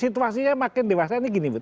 situasinya makin dewasa ini gini bu